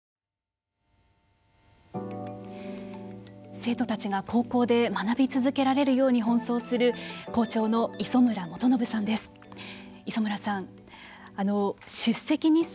生徒たちが高校で学び続けられるように奔走する校長の磯村元信さんです。